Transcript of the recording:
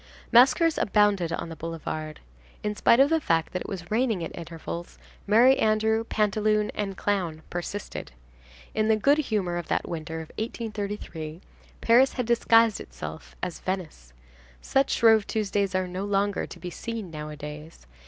Maskers abounded on the boulevard. In spite of the fact that it was raining at intervals, Merry Andrew, Pantaloon and Clown persisted. In the good humor of that winter of 1833, Paris had disguised itself as Venice. Such Shrove Tuesdays are no longer to be seen nowadays.